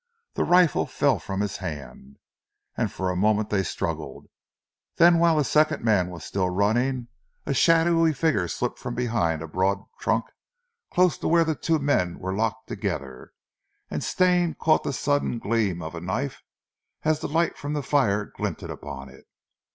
The rifle fell from his hand, and for a moment they struggled, then whilst the second man was still running, a shadowy figure slipped from behind a broad trunk close to where the two men were locked together, and Stane caught the sudden gleam of a knife as the light from the fire glinted upon it.